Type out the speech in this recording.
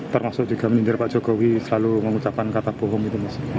termasuk juga menderita pak jogowi selalu mengucapkan kata bohong gitu mas